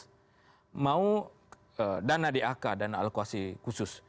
kepolisian kejaksan mau dana dak dana alkuasi khusus